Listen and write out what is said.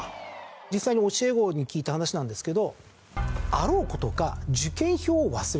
実際に教え子に聞いた話なんですけど。